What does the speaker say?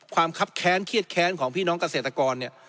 ครับแค้นเครียดแค้นของพี่น้องเกษตรกรเนี่ย